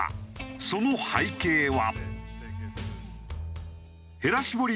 その背景は。